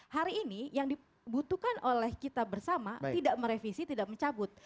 hari ini yang dibutuhkan oleh kita bersama tidak merevisi tidak mencabut